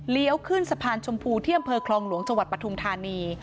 ขึ้นสะพานชมพูที่อำเภอคลองหลวงจังหวัดปทุมธานี